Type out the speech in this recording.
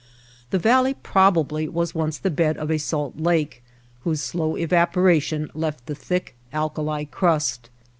The valley probably was once the bed of a salt lake whose slow evaporation left the thick alkali crust.